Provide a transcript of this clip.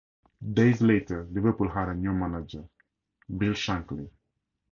Days later Liverpool had a new manager, Bill Shankly.